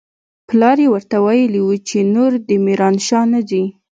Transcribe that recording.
پلار يې ورته ويلي و چې نور دې ميرانشاه نه ځي.